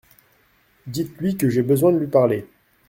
Dites-lui que j’ai besoin de lui parler.